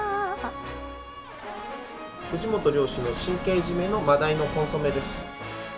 藤本漁師の神経締めの真鯛のコンソメです。